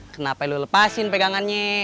kenapa lo lepasin pegangannya